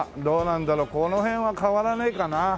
この辺は変わらないかな？